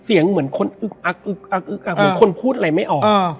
เสียงเหมือนคนอึ๊กอักอึ๊กอักอึ๊กอ่ะเหมือนคนพูดอะไรไม่ออกอ่า